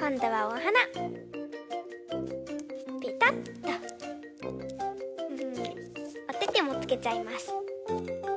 おててもつけちゃいます。